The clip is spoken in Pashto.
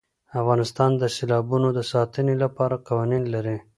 افغانستان د سیلابونه د ساتنې لپاره قوانین لري.